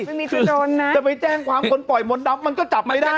ไม่มีที่โดนนะจะไปแจ้งความคนปล่อยมดดำมันก็จับไม่ได้